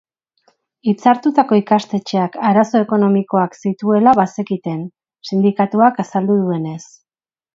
Hitzartutako ikastetxeak arazo ekonomikoak zituela bazekiten, sindikatuak azaldu duenez.